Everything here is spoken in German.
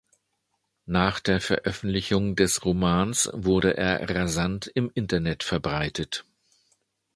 Nach der Veröffentlichung des Romans wurde er rasant im Internet verbreitet.